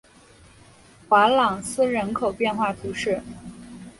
瓦朗斯人口变化图示